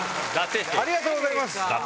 ありがとうございます。